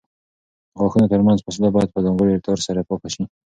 د غاښونو ترمنځ فاصله باید په ځانګړي تار سره پاکه شي.